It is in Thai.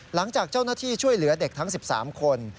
หลังจากเจ้าหน้าที่ช่วยเหลือเด็กทั้ง๑๓คน